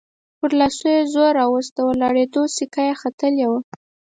پر لاسونو يې زور راووست، د ولاړېدو سېکه يې ختلې وه.